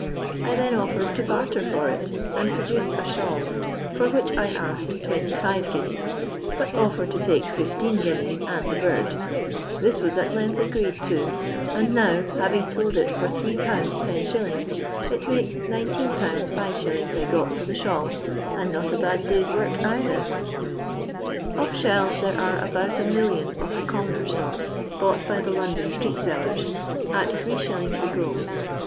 I then offered to barter for it, and produced a shawl, for which I asked twenty five ffuineas, but offered to take fifteen guineas and toe bird. This was at length agreed to, and now, having sold it for Zl, 10«., it makes 19/. 5«. I got for the shawl, and not a bad day's work either." Of shells there are about a million of the com moner sorts bought by the London itreet iellersat 8s. 'the gross.